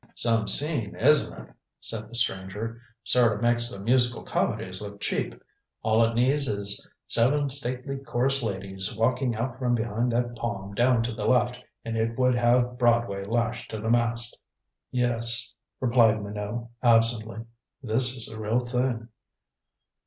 "Some scene, isn't it?" said the stranger. "Sort of makes the musical comedies look cheap. All it needs is seven stately chorus ladies walking out from behind that palm down to the left, and it would have Broadway lashed to the mast." "Yes," replied Minot absently. "This is the real thing."